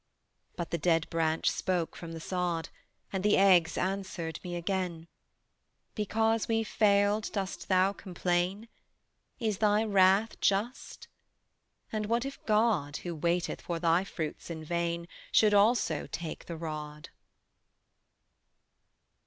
But the dead branch spoke from the sod, And the eggs answered me again: Because we failed dost thou complain? Is thy wrath just? And what if God, Who waiteth for thy fruits in vain, Should also take the rod?